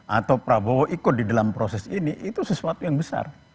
atau prabowo ikut di dalam proses ini itu sesuatu yang besar